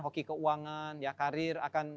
hoki keuangan ya karir akan